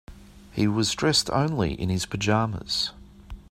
He was dressed only in his pajamas.